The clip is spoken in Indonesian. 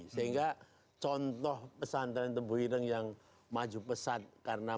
sehingga contoh pesantren tebu hideng yang maju pesat karena